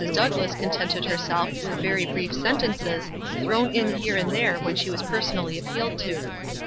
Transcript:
Douglass contented herself with very brief sentences, thrown in here and there when she was personally appealed to.